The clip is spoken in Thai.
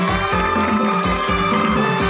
มาร่าเพลง